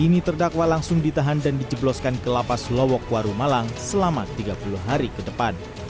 kini terdakwa langsung ditahan dan dijebloskan ke lapas lowokwaru malang selama tiga puluh hari ke depan